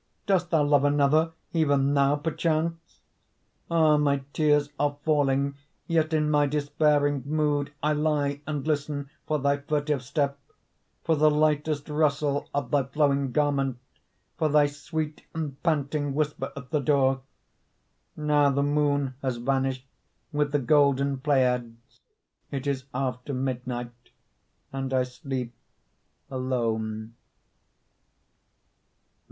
Dost thou love another, Even now, perchance? Ah, my tears are falling, Yet in my despairing Mood I lie and listen For thy furtive step; For the lightest rustle Of thy flowing garment, For thy sweet and panting Whisper at the door. Now the moon has vanished With the golden Pleiads; It is after midnight And I sleep alone.